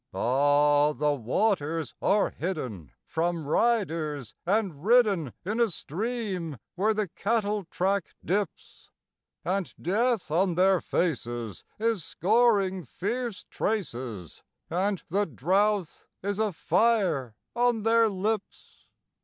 Ah! the waters are hidden from riders and ridden In a stream where the cattle track dips; And Death on their faces is scoring fierce traces, And the drouth is a fire on their lips.